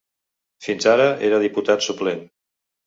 Fins ara era diputat suplent.